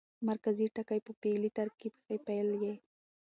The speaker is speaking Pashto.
مرکزي ټکی په فعلي ترکیب کښي فعل يي.